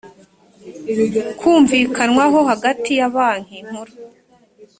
kumvikanwaho hagati ya banki nkuru